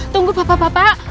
tunggu bapak bapak